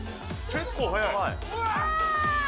結構速い。